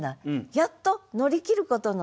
やっと乗り切ることのできる。